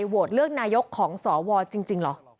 โหวตเลือกนายกของสวจริงเหรอ